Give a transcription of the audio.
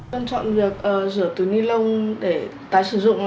chúng tôi chọn việc rửa tủy ni lông để tái sử dụng